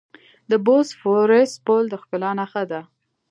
د بوسفورس پل د ښکلا نښه ده.